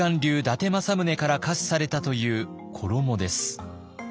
伊達政宗から下賜されたという衣です。